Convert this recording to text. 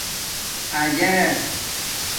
اجݳک